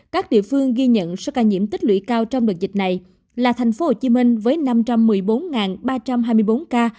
các địa phương ghi nhận sớt ca nhiễm tích lũy cao trong đợt dịch này là thành phố hồ chí minh với năm trăm một mươi bốn ba trăm hai mươi bốn ca